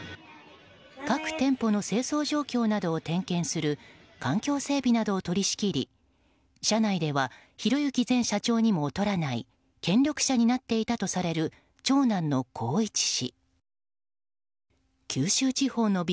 各店舗の清掃状況などを点検する環境整備などを取り仕切り社内では宏行前社長にも劣らない権力者になっていたとされる長男の宏一氏。